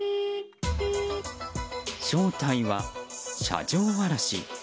正体は、車上荒らし。